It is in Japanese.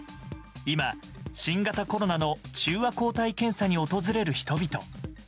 今、新型コロナの中和抗体検査に訪れる人々。